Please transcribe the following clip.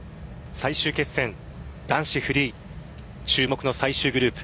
最終決戦男子フリー注目の最終グループ。